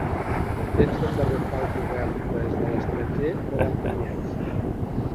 Intents d'enderrocar al govern des de l'estranger no van tenir èxit.